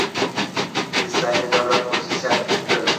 د اسلامي دولت خصوصیات پنځلس دي.